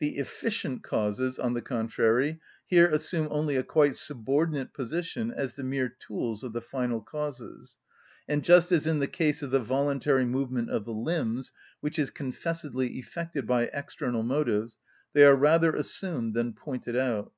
The efficient causes, on the contrary, here assume only a quite subordinate position as the mere tools of the final causes, and, just as in the case of the voluntary movement of the limbs, which is confessedly effected by external motives, they are rather assumed than pointed out.